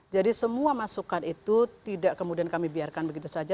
jadi semua masukan itu tidak kemudian kami biarkan begitu saja